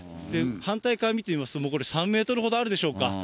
反対側見てみますと、もうこれ３メートルほどあるでしょうか。